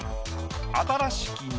「新しき庭